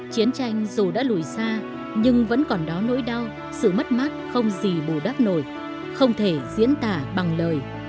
chiến tranh dù đã lùi xa nhưng vẫn còn đó nỗi đau sự mất mát không gì bù đắp nổi không thể diễn tả bằng lời